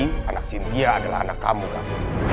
afiqi anak cynthia adalah anak kamu gavin